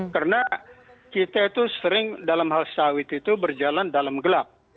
karena kita itu sering dalam hal sawit itu berjalan dalam gelap